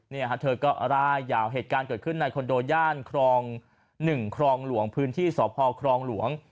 เธอก็ร่ายยาวเหตุการณ์เกิดขึ้นในคอนโดย่านครอง๑ครองหลวงพื้นที่สพครองหลวง